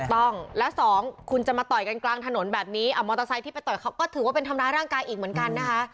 ถูกต้องแล้วสองคุณจะมาต่อยกันกลางถนนแบบนี้มอเตอร์ไซค์ที่ไปต่อยเขาก็ถือว่าเป็นทำร้ายร่างกายอีกเหมือนกันนะคะ